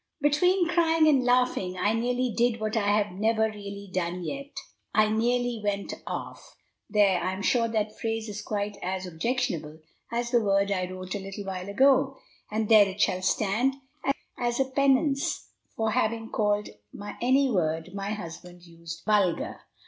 Between crying and laughing, I nearly did what I have never really done yet, I nearly went off. There! I am sure that phrase is quite as objectionable as the word I wrote a little while ago; and there it shall stand, as a penance for having called any word my husband used vulgar.